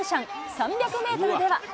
３００メートルでは。